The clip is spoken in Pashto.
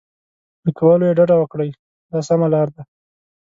له کولو یې ډډه وکړئ دا سمه لار ده.